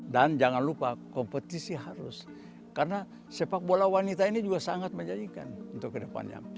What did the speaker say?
dan jangan lupa kompetisi harus karena sepak bola wanita ini juga sangat menjanjikan untuk kedepannya